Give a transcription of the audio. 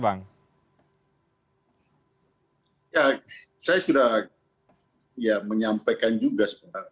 saya sudah menyampaikan juga